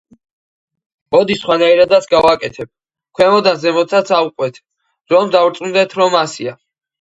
მოდი სხვანაირადაც გავაკეთებ: ქვემოდან ზემოთაც ავყვეთ, რომ დავრწმუნდეთ, რომ ასეა.